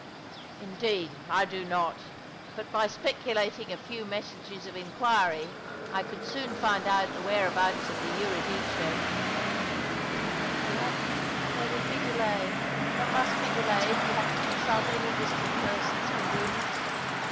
" "Indeed, I do not; but by speculating a few messages of inquiry I could soon find out the whereabouts of tho EurydiceP "Don't wait for that. There would be delay. There must be delay if you have to consult any distant person's convenience.